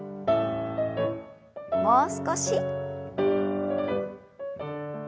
もう少し。